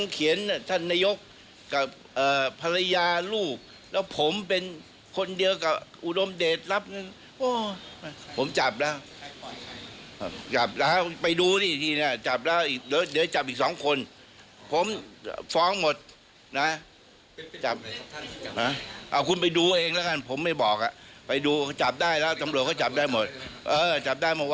กลุ่มแพร่ทางโซเชียลมีเดียได้แล้ว